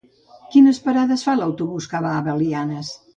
Quines parades fa l'autobús que va a Belianes?